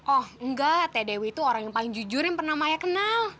oh enggak teh dewi itu orang yang paling jujur yang pernah maya kenal